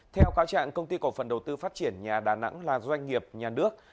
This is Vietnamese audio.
theo cáo trạng công ty cổ phần đầu tư phát triển nhà đà nẵng là doanh nghiệp nhà nước